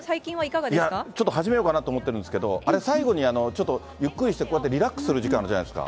ちょっと始めようかなと思ってますけど、あれ、最後にちょっと、ゆっくりしてリラックスする時間あるじゃないですか。